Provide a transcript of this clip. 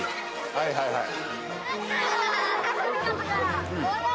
はいはいはい。